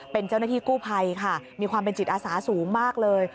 เป็นเจ้าหน้าที่กู้ภัยค่ะมีความเป็นจิตอาสาสูงมากเลย